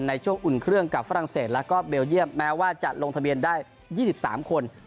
ในช่วงอุ่นเครื่องกับฝรั่งเศสแล้วก็เบลเยี่ยมแม้ว่าจะลงทะเบียนได้๒๓คน